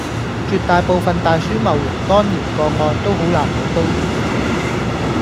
絕大部份大鼠戊型肝炎個案都好難搵到源頭